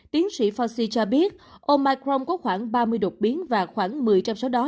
tiến sĩ fasi cho biết omicron có khoảng ba mươi đột biến và khoảng một mươi trong số đó